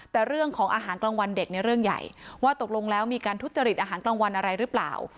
แต่เรื่องของอาหารกลางวันเด็กเนี่ยเรื่องใหญ่ว่าตกลงแล้วมีการทุจริตอาหารกลางวันอะไรหรือเปล่า